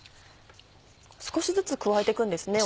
少しずつ加えて行くんですね